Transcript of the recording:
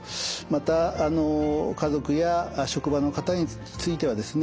また家族や職場の方についてはですね